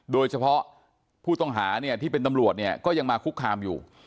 โดยเฉพาะผู้ต้องหาที่เป็นตำรวจก็ยังมาคุกคามอยู่